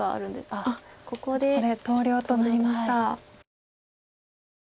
あっここで投了となりました。